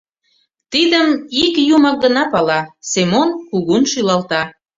— Тидым ик Юмак гына пала, — Семон кугун шӱлалта.